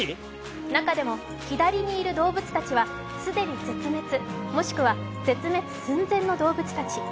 中でも左にいる動物たちは既に絶滅、もしくは絶滅寸前の動物たち。